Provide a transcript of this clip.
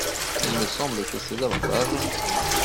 Il me semble que ces avantages…